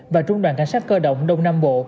và trung đoàn cảnh sát cơ động đông nam bộ